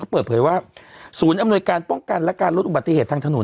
เปิดเผยว่าศูนย์อำนวยการป้องกันและการลดอุบัติเหตุทางถนน